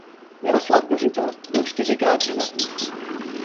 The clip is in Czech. Jaroslav Bořita byl čtyřikrát ženatý.